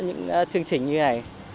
những chương trình như này